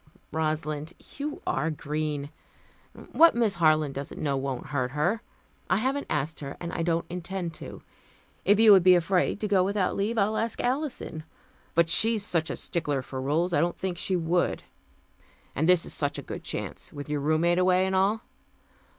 "Rosalind, you are green. What Miss Harland doesn't know won't hurt her. I haven't asked her, and I don't intend to. If you would be afraid to go without leave, I'll ask Alison but she's such a stickler for rules, I didn't think she would. And this is such a good chance, with your roommate away, and all.